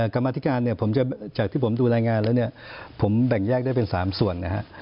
กรรมธิการเนี่ยผมจะจากที่ผมดูรายงานแล้วเนี่ยผมแบ่งแยกได้เป็น๓ส่วนนะฮะ